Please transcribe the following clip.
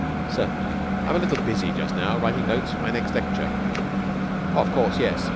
"Certainly. I am a little busy just now, preparing notes for my next lecture." "Of course, yes.